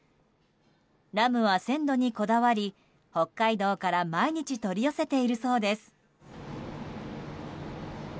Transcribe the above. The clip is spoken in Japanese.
ラムは鮮度にこだわり北海道から毎日取り寄せているそうです。